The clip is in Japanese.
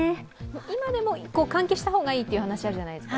今でも換気した方がいいという話があるじゃないですか。